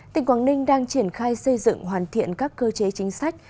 tỉnh quảng ninh đang triển khai xây dựng hoàn thiện các cơ chế chính sách